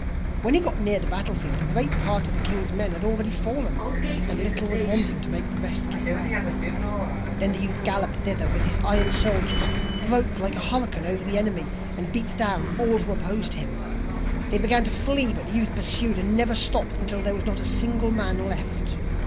When he got near the battlefield a great part of the king's men had already fallen, and little was wanting to make the rest give way. Then the youth galloped thither with his iron soldiers, broke like a hurricane over the enemy, and beat down all who opposed him. They began to flee, but the youth pursued, and never stopped, until there was not a single man left.